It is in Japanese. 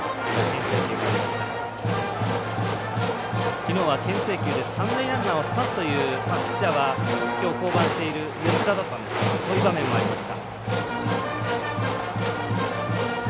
きのうはけん制球で三塁ランナーを刺すというピッチャーはきょう降板している吉田だったんですがそういう場面もありました。